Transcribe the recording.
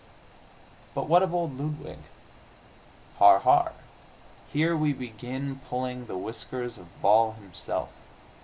But what of old Ludwig? Har, har; here we begin pulling the whiskers of Baal Himself.